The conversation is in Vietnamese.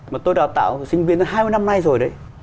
mà tôi đào tạo sinh viên hai mươi năm nay rồi đấy